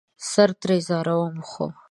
سر ترې ځاروم ،خو